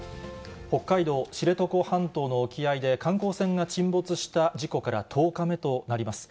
北海道知床半島の沖合で、観光船が沈没した事故から１０日目となります。